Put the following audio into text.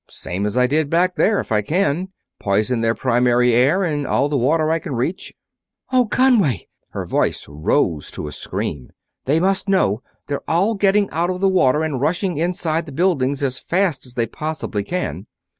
"Same as I did back there, if I can. Poison their primary air and all the water I can reach...." "Oh, Conway!" Her voice rose to a scream. "They must know they're all getting out of the water and are rushing inside the buildings as fast as they possibly can!"